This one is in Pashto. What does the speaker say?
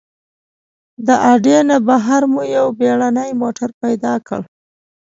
د اډې نه بهر مو یو بېړنی موټر پیدا کړ.